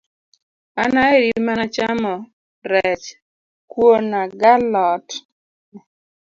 An aheri mana chamo rech, kuona ga alot